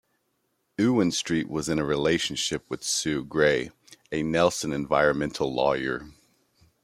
Ewen-Street was in a relationship with Sue Grey, a Nelson environmental lawyer.